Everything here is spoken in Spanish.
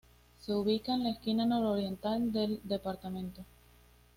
Se ubica en la esquina nororiental del departamento.